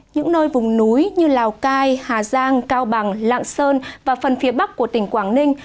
những nơi vùng núi như lào cai hà giang cao bằng lạng sơn và phần phía bắc của tỉnh quảng ninh